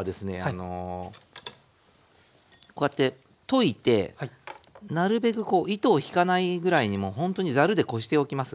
あのこうやって溶いてなるべくこう糸を引かないぐらいにもうほんとにザルでこしておきます。